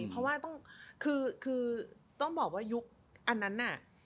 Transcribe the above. เพราะว่าต้องบอกว่ายุคอันนั้น